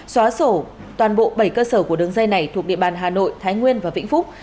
xóa sổ toàn bộ bảy cơ sở của đường dây này thuộc địa bàn hà nội thái nguyên và vĩnh phúc